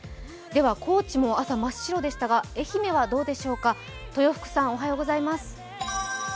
高知も朝、真っ白でしたが愛媛はどうでしょうか。